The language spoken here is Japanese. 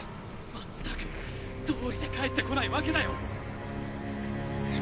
全くどおりで帰ってこないわけだよ！